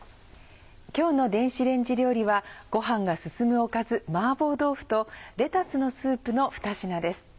今日の電子レンジ料理はご飯が進むおかず「麻婆豆腐」とレタスのスープの２品です。